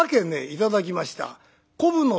「頂きました」。